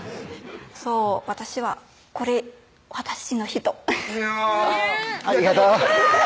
そう私はこれ私の人いやありがとううわ！